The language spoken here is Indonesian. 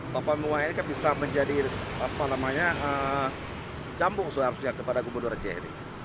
bapak bunga ini bisa menjadi campung kepada gubernur aceh